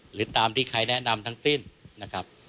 หรือตามที่ใครแนะนำทั้งสิ้นนะครับ